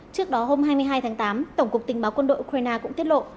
trước đó hôm hai mươi hai tháng tám tổng cục tình báo quân đội ukraine cũng tiết lộ